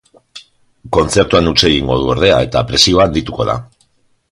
Kontzertuan huts egingo du, ordea, eta presioa handituko da.